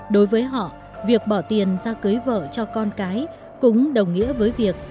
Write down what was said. đối với họ việc bỏ tiền ra cưới vợ cho con cái cũng đồng nghĩa với việc